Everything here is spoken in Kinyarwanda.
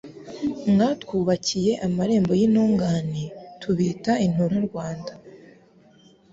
Mwatwubakiye amarembo y'intungane Tubita intura-Rwanda.